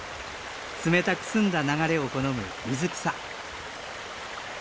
冷たく澄んだ流れを好む水草。